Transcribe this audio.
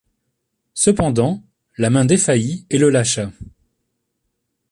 Cependant la main défaillit et le lâcha.